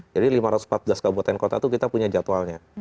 jadi lima ratus empat belas kabupaten kota itu kita punya jadwalnya